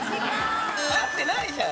合ってないじゃん！